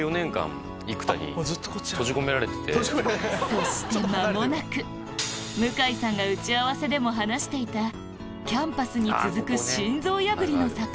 そして間もなく向井さんが打ち合わせでも話していたキャンパスに続く心臓破りの坂